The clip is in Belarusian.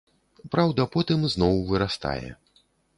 Праўда, потым зноў вырастае.